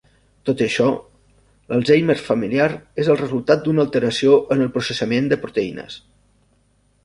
Tot i això, l'Alzheimer familiar és el resultat d'una alteració en el processament de proteïnes.